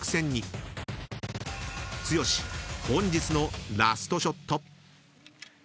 ［剛本日のラストショット］